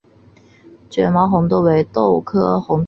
卷毛豇豆为豆科豇豆属的植物。